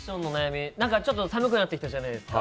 寒くなってきたじゃないですか。